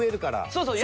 そうそう。